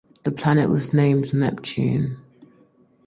The planet was named "Neptune".